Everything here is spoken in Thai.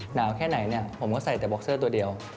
หนาวแค่ไหนผมก็ใส่แต่บ็อกเซอร์ตัวเดียว